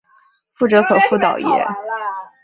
覆辙可复蹈耶？